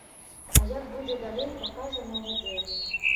А як будзе далей, пакажа новы дзень.